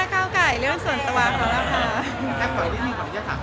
คือผ่านด่านยังไงเลยใช่เนี้ย